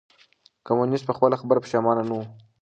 کمونيسټ په خپله خبره پښېمانه نه و.